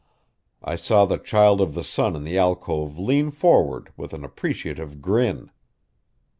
I saw the Child of the Sun in the alcove lean forward with an appreciative grin.